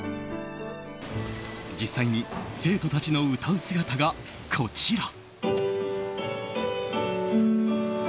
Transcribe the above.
実際に生徒たちの歌う姿がこちら。